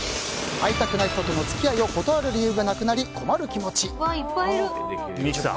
会いたくない人との付き合いを断る理由がなくなり困る気持ち。